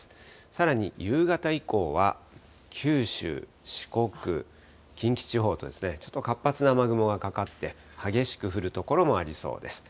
さらに夕方以降は、九州、四国、近畿地方と、ちょっと活発な雨雲がかかって、激しく降る所もありそうです。